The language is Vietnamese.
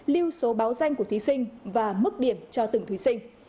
lưu số báo danh của thí sinh và mức điểm cho từng thí sinh